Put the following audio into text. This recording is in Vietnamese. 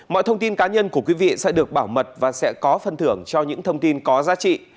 mọi thông tin cá nhân của quý vị sẽ được bảo mật và sẽ có phân thưởng cho những thông tin có giá trị